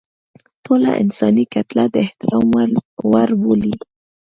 ټوله انساني کتله د احترام وړ بولي.